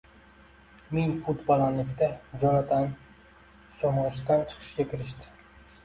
Ming fut balandlikda Jonatan sho‘ng‘ishdan chiqishga kirishdi.